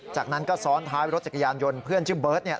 จากนั้นก็ซ้อนท้ายรถจักรยานยนต์เพื่อนชื่อเบิร์ตเนี่ย